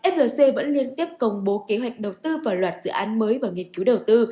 flc vẫn liên tiếp công bố kế hoạch đầu tư vào loạt dự án mới và nghiên cứu đầu tư